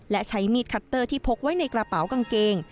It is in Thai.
และใช้มีดคัตเตอร์ที่พกไว้ในกระเป๋ากางเกง